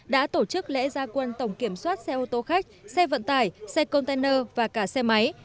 đã tổ chức lễ gia quân tổng kiểm soát xe ô tô khách xe vận tải xe container và cả xe máy